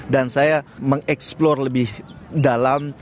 dan saya mengeksplore lebih dalam